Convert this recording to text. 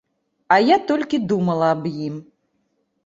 А я толькі думала аб ім.